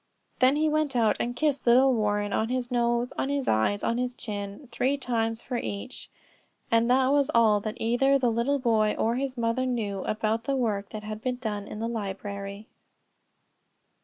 Then he went out and kissed little Warren on his nose, on his eyes, on his chin, three times for each; and that was all that either the little boy or his mother knew about the work that had been done in the library.